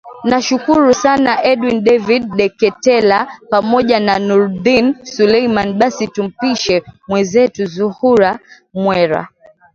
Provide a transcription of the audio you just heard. nashukuru sana edwin david deketela pamoja na nurdin sulemani basi tumpishe mwezetu zuhra mwera